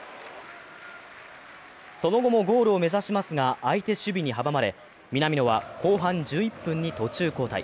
その後もゴールを目指しますが相手守備に阻まれ、南野は後半１１分に途中交代。